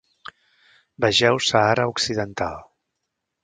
Vegeu Sàhara Occidental.